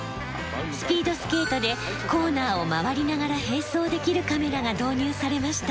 スピードスケートでコーナーを回りながら並走できるカメラが導入されました。